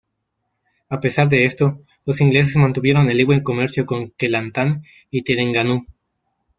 A pesar de esto, los ingleses mantuvieron el libre comercio con Kelantan y Terengganu.